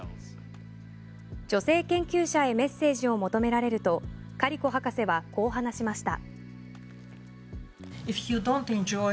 女性研究者へメッセージを求められるとカリコ博士はこう話しました。